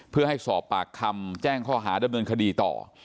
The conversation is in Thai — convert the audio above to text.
เพื่อให้สอบปากคำแจ้งข้อหาดำเนินคดีต่อ